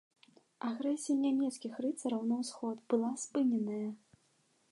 Агрэсія нямецкіх рыцараў на ўсход была спыненая.